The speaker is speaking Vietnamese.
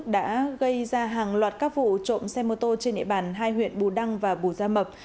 đã gây ra hàng loạt các vụ trộm xe mô tô trên địa bàn hai huyện bù đăng và bù gia mập